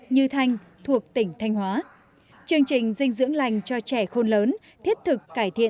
như thanh thuộc tỉnh thanh hóa chương trình dinh dưỡng lành cho trẻ khôn lớn thiết thực cải thiện